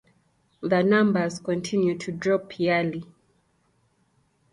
The numbers continue to drop yearly.